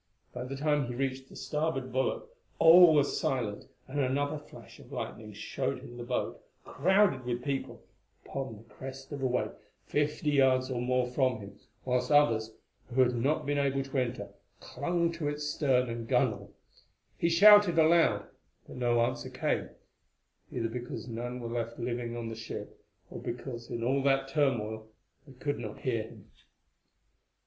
By the time he reached the starboard bulwarks all was silent, and another flash of lightning showed him the boat, crowded with people, upon the crest of a wave, fifty yards or more from him, whilst others, who had not been able to enter, clung to its stern and gunwale. He shouted aloud, but no answer came, either because none were left living on the ship, or because in all that turmoil they could not hear him.